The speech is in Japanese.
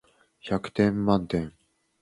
百点満点